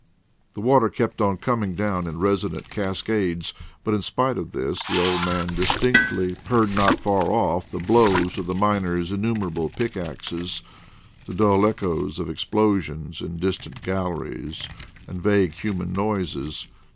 The water kept on coming down in resonant cascades. But in spite of this, the old man distinctly heard not far off the blows of the miners' innumerable pickaxes, the dull echoes of explosions in distant galleries, and vague human noises.